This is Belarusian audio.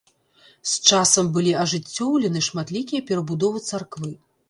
З часам былі ажыццёўлены шматлікія перабудовы царквы.